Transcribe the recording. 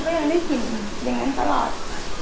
ก็ยังไม่ถิ่นอย่างนั้นตลอด